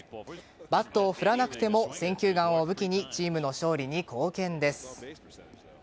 バットを振らなくても選球眼を武器にチームの勝利に貢献です。